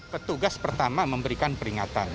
petugas pertama memberikan peringatan